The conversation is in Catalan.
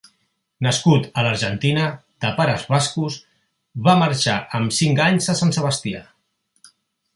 Nascut a l'Argentina, de pares bascos, va marxar amb cinc anys a Sant Sebastià.